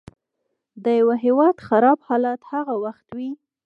د یوه هیواد خراب حالت هغه وخت وي.